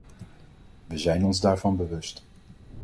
We zijn ons daarvan bewust.